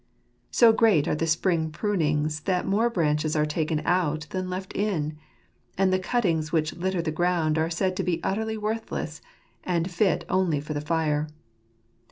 So great are the spring prunings that more branches are taken out than left in; and the cuttings which litter the ground are said to be utterly worthless an 1 fit only for the fire.